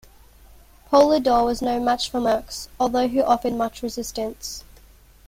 Poulidor was no match for Merckx, although he offered much resistance.